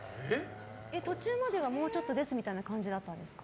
途中まではもうちょっとですみたいな感じだったんですか？